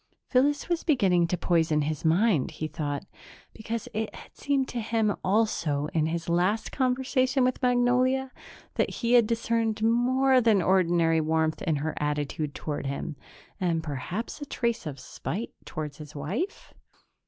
Phyllis was beginning to poison his mind, he thought, because it had seemed to him also, in his last conversation with Magnolia, that he had discerned more than ordinary warmth in her attitude toward him ... and perhaps a trace of spite toward his wife?